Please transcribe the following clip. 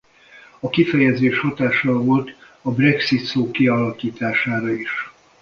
A kifejezés hatással volt a Brexit szó kialakítására is.